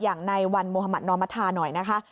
อย่างในวันมุธมัธนอมธาหน่อยนะคะ